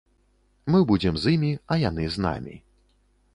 Мы будзем з імі, а яны з намі.